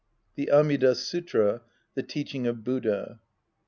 The Amida Sutra, the teaching of Buddha.